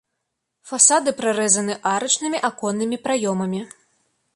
Фасады прарэзаны арачнымі аконнымі праёмамі.